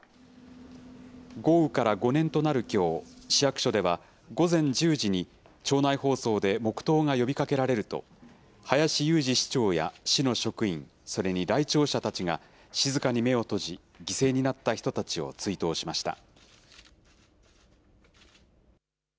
豪雨から５年となるきょう、市役所では午前１０時に、庁内放送で黙とうが呼びかけられると、林裕二市長や市の職員、それに来庁者たちが、静かに目を閉じ、犠牲になった人たちを追悼しました。